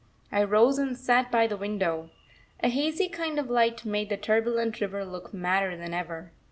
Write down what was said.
I rose and sat by the window. A hazy kind of light made the turbulent river look madder than ever.